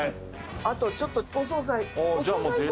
あとちょっとお惣菜。